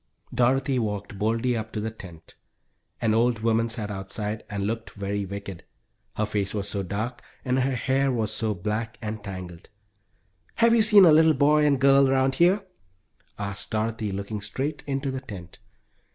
Dorothy walked boldly up to the tent. An old woman sat outside and looked very wicked, her face was so dark and her hair so black and tangled. "Have you seen a little boy and girl around here?" asked Dorothy, looking straight into the tent.